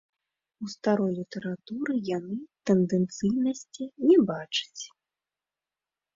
У старой літаратуры яны тэндэнцыйнасці не бачаць.